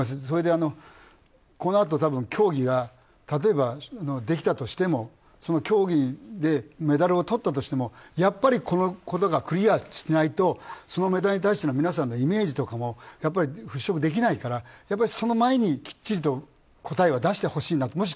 それで、このあと競技が例えばできたとしても、その競技でメダルをとったとしてもやっぱりこのことがクリアしないとメダルに対しての皆さんのイメージとかも払しょくできないからその前にきっちりと答えは出してほしいなと。